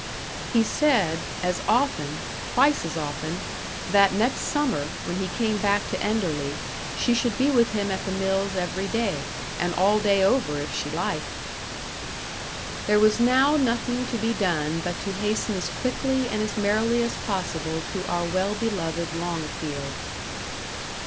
He said, as often twice as often that next summer, when he came back to Enderley, she should be with him at the mills every day, and all day over, if she liked. There was now nothing to be done but to hasten as quickly and as merrily as possible to our well beloved Longfield.